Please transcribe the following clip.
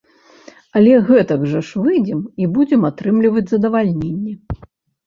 Але гэтак жа выйдзем і будзем атрымліваць задавальненне.